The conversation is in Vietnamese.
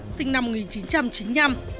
sinh năm một nghìn chín trăm chín mươi năm